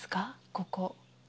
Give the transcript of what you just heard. ここ。